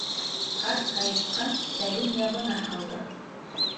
Ҡарт һайыҫҡан шәлен ябына һалды.